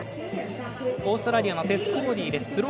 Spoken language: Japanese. オーストラリアのテス・コーディです。